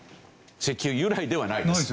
石油由来ではないです。